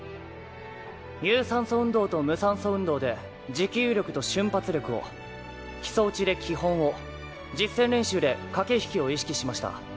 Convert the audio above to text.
有酸素運動と無酸素運動で持久力と瞬発力を基礎打ちで基本を実践練習でかけひきを意識しました。